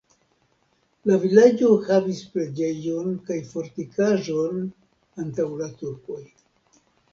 La vilaĝo havis preĝejon kaj fortikaĵon antaŭ la turkoj.